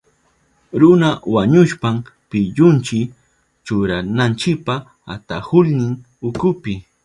Runa wañushpan pillunchi churananchipa atahulnin ukupi.